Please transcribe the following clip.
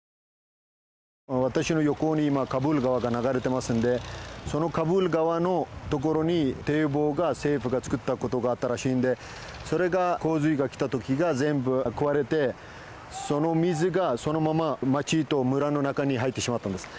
私の横に今カブール川が流れていますのでそのカブール川のところに政府が作ったところがあったらしいのでそれが、洪水が来た時に全部壊れてその水がそのまま町と村の中へと入ってしまったんです。